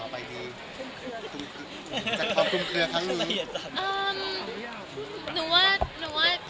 พี่เขาบอกด้วยคนมาก